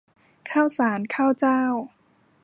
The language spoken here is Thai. ข้าวสารข้าวเจ้า